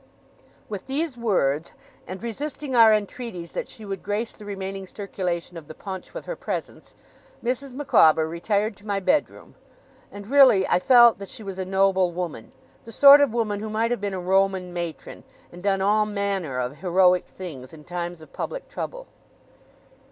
With these words, and resisting our entreaties that she would grace the remaining circulation of the punch with her presence, Mrs. Micawber retired to my bedroom. And really I felt that she was a noble woman the sort of woman who might have been a Roman matron, and done all manner of heroic things, in times of public trouble.